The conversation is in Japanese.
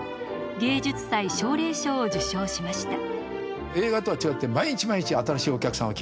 芸術祭奨励賞を受賞しました。